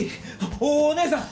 おおお姉さん！